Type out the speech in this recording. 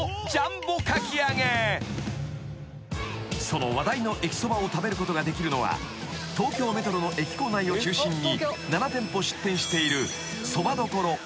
［その話題の駅そばを食べることができるのは東京メトロの駅構内を中心に７店舗出店している］